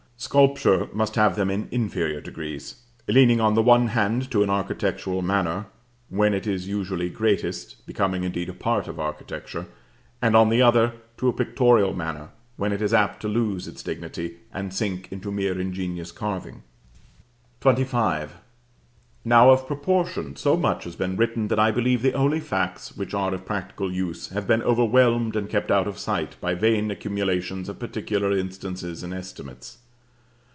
Sculpture must have them in inferior degrees; leaning, on the one hand, to an architectural manner, when it is usually greatest (becoming, indeed, a part of Architecture), and, on the other, to a pictorial manner, when it is apt to lose its dignity, and sink into mere ingenious carving. XXV. Now, of Proportion so much has been written, that I believe the only facts which are of practical use have been overwhelmed and kept out of sight by vain accumulations of particular instances and estimates.